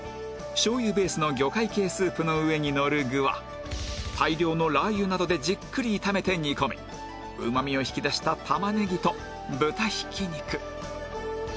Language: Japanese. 醤油ベースの魚介系スープの上にのる具は大量のラー油などでじっくり炒めて煮込みうまみを引き出した玉ねぎと豚ひき肉